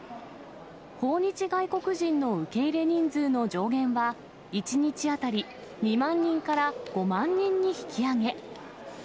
訪日外国人の受け入れ人数の上限は、１日当たり２万人から５万人に引き上げ。